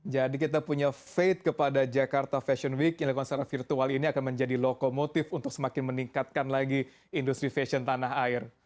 jadi kita punya faith kepada jakarta fashion week yang dikonservasi virtual ini akan menjadi lokomotif untuk semakin meningkatkan lagi industri fashion tanah air